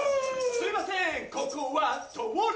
すいません